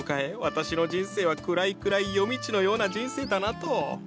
私の人生は暗い暗い夜道のような人生だなと。